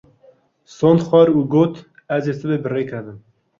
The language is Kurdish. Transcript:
Sond xwar û got ez ê sibê bi rê kevim.